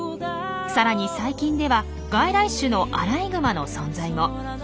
さらに最近では外来種のアライグマの存在も。